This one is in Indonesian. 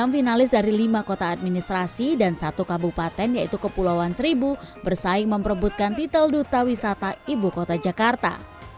enam finalis dari lima kota administrasi dan satu kabupaten yaitu kepulauan seribu bersaing memperebutkan titel duta wisata ibu kota jakarta